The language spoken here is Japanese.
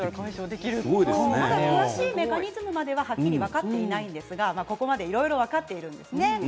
まだ詳しいメカニズムまでは分かっていないですがここまでいろいろ分かってきているんですね。